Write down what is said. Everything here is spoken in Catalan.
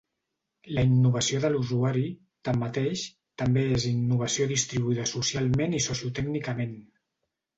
La innovació de l'usuari, tanmateix, també és innovació distribuïda socialment i socio-tècnicament.